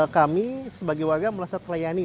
kami sebagai warga melaksanakan layani